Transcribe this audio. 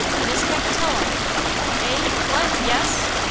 Miss Capitola!" "Eh? What? Yes!"